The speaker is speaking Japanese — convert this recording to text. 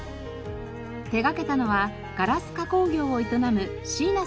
手掛けたのはガラス加工業を営む椎名さん家族。